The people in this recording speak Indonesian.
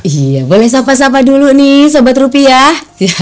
iya boleh sobat sobat dulu nih sobat rupiah